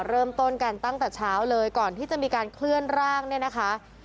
เริ่มต้นกันตั้งแต่เช้าเลยก่อนที่จะมีการเคลื่อนร่างเนี่ยนะคะ